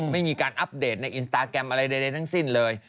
ไม่มีการอัปเดตในอินสตาแกรมอะไรใดทั้งสิ้นเลย